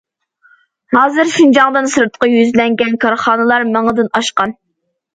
ھازىر شىنجاڭدىن سىرتقا يۈزلەنگەن كارخانىلار مىڭدىن ئاشقان.